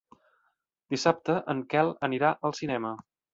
Dissabte en Quel anirà al cinema.